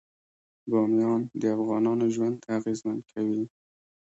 بامیان د افغانانو ژوند اغېزمن کوي.